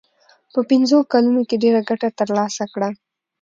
په پنځو کلونو کې ډېره ګټه ترلاسه کړه.